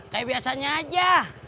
kayak biasanya aja